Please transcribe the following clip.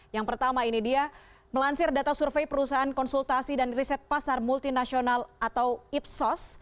yang pertama ini dia melansir data survei perusahaan konsultasi dan riset pasar multinasional atau ipsos